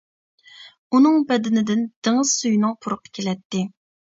ئۇنىڭ بەدىنىدىن دېڭىز سۈيىنىڭ پۇرىقى كېلەتتى.